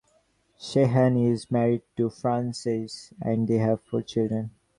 Sheehan is married to Frances, and they have four children.